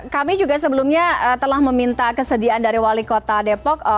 kami juga sebelumnya telah meminta kesediaan dari wali kota depok